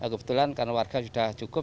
kebetulan karena warga sudah cukup